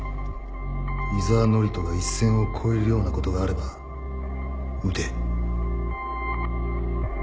井沢範人が一線を越えるようなことがあれば撃て。